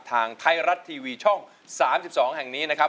ทางไทยรัฐทีวีช่อง๓๒แห่งนี้นะครับ